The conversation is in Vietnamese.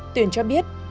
tuyền cho biết